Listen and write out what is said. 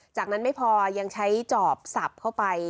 จากนั้นไม่พอยังใช้จอบสับเข้าไป